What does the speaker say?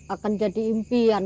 akan jadi impian